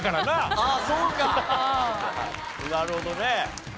なるほどね。